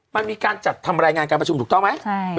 มันมีการจัดทำรายงานการประชุมถูกต้องไหม